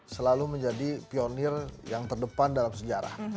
selalu menjadi pionir yang terdepan dalam sejarah